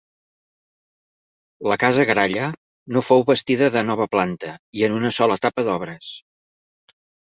La casa Gralla no fou bastida de nova planta i en una sola etapa d'obres.